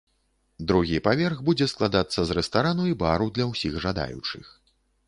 Другі паверх будзе складацца з рэстарану і бару для ўсіх жадаючых.